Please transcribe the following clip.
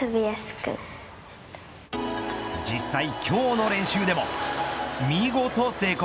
実際、今日の練習でも見事成功。